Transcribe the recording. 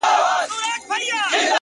مهرباني له قهره پیاوړې اغېزه لري,